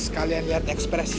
sekalian lihat ekspresi